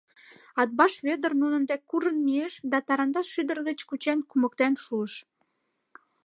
Атбаш Вӧдыр нунын дек куржын мийыш да, тарантас шӱдыр гыч кучен, кумыктен шуыш.